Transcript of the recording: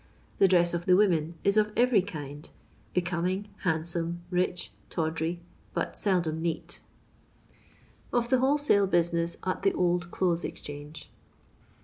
The dress of the women is of every kind; becoming, handsome, rich, tawdry, but seldom neat Of thb Wholesalb Businbss at thx Old Clothes Bzohanqi.